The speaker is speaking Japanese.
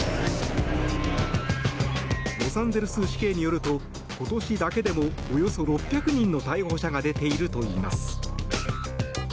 ロサンゼルス市警によると今年だけでも、およそ６００人の逮捕者が出ているといいます。